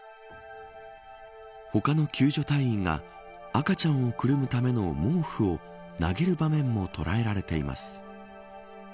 他の救助隊員が赤ちゃんをくるむための毛布を投げる場面も捉えられています。